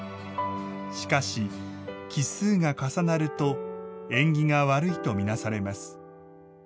しかし奇数が重なると縁起が悪いとみなされます。